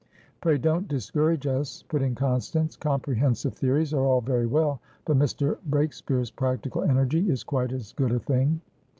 "Pray don't discourage us," put in Constance. "Comprehensive theories are all very well, but Mr. Breakspeare's practical energy is quite as good a thing."